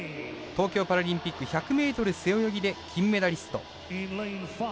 東京パラリンピック１００ｍ背泳ぎで金メダリスト。